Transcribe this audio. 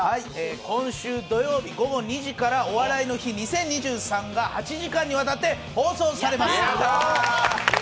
今週土曜日午後２時から「お笑いの日２０２３」が８時間にわたって放送されます。